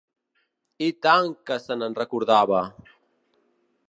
I tant que se n'enrecordava!